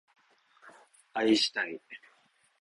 愛したい